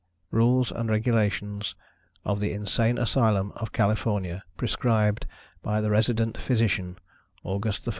RULES AND REGULATIONS OF THE INSANE ASYLUM OF CALIFORNIA. PRESCRIBED BY THE RESIDENT PHYSICIAN, AUGUST 1, 1861.